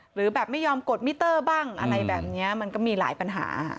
หรือแบบไม่ยอมกดมิเตอร์บ้างอะไรแบบนี้มันก็มีหลายปัญหา